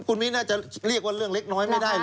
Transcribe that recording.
คุณมิ้นน่าจะเรียกว่าเรื่องเล็กน้อยไม่ได้เลย